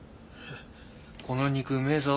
この肉うめえぞ。